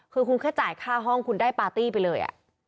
คือคุณแค่จ่ายค่าห้องคุณได้ปาร์ตี้ไปเลย